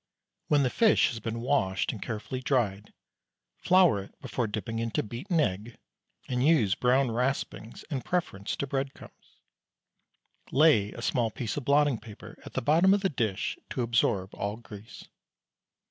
When the fish has been washed and carefully dried, flour it before dipping into beaten egg, and use brown raspings in preference to breadcrumbs. Lay a small piece of blotting paper at the bottom of the dish to absorb all grease.